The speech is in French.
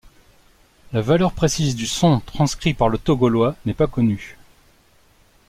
La valeur précise du son transcrit par le tau gaulois n'est pas connue.